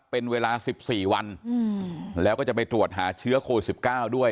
เป็นเวลาสิบสี่วันอืมแล้วก็จะไปตรวจหาเชื้อโควิดสิบเก้าด้วย